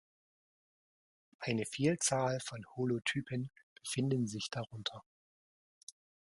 Eine Vielzahl von Holotypen befinden sich darunter.